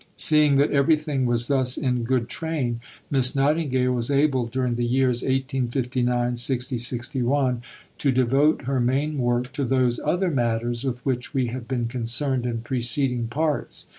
Seeing that everything was thus in good train, Miss Nightingale was able during the years 1859 60 61 to devote her main work to those other matters with which we have been concerned in preceding Parts.